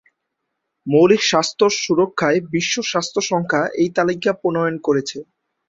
মৌলিক স্বাস্থ্য সুরক্ষায় বিশ্ব স্বাস্থ্য সংস্থা এই তালিকা প্রণয়ন করেছে।